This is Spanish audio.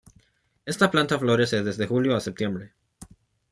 Esta planta florece desde julio a septiembre.